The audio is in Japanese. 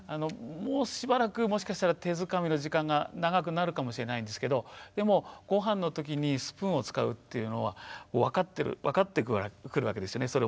もうしばらくもしかしたら手づかみの時間が長くなるかもしれないんですけどでもごはんの時にスプーンを使うっていうのは分かってくるわけですよね。